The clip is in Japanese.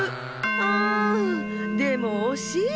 あんでもおしい。